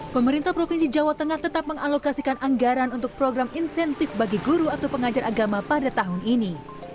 pemerintah provinsi jawa tengah tetap mengalokasikan anggaran untuk program insentif bagi guru atau pengajar agama pada tahun ini